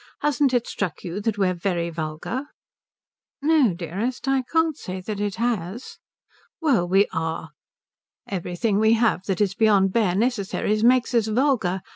Hasn't it struck you that we're very vulgar?" "No, dearest, I can't say that it has." "Well, we are. Everything we have that is beyond bare necessaries makes us vulgar.